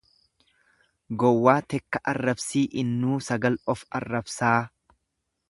Gowwaa tekka arrabsi innuu sagal of arrabsaa.